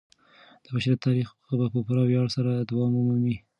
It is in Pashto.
د بشریت تاریخ به په پوره ویاړ سره دوام ومومي.